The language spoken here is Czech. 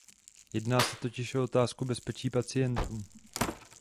Jedná se totiž o otázku bezpečí pacientů.